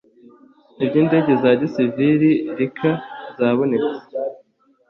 iby indege za gisiviri rcaa zabonetse